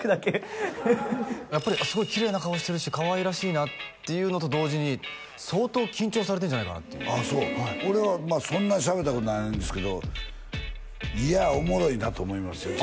すごいキレイな顔してるしかわいらしいっていうのと同時に相当緊張されてんじゃないかなっていう俺はそんなしゃべったことないんですけどいやおもろいなと思いますよ